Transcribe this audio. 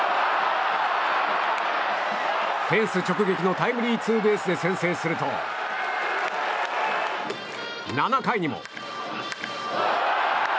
フェンス直撃のタイムリーツーベースで先制すると、７回にも。